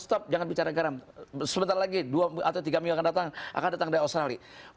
stop jangan bicara garam sebentar lagi dua atau tiga minggu yang akan datang akan datang dari australia